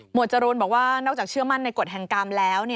จรูนบอกว่านอกจากเชื่อมั่นในกฎแห่งกรรมแล้ว